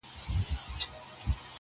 • هېری څرنگه د مینی ورځی شپې سي -